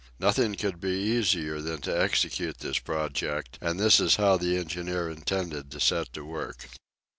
Nothing could be easier than to execute this project, and this is how the engineer intended to set to work.